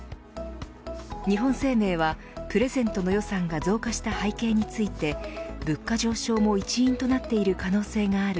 日本生命はプレゼントの予算が増加した背景について物価上昇も一因となっている可能性がある。